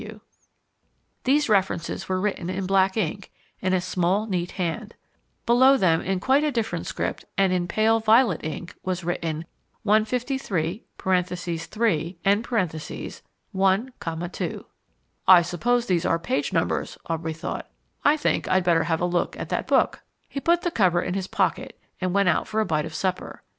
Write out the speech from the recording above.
W. These references were written in black ink, in a small, neat hand. Below them, in quite a different script and in pale violet ink, was written 153 (3) 1, 2 "I suppose these are page numbers," Aubrey thought. "I think I'd better have a look at that book." He put the cover in his pocket and went out for a bite of supper.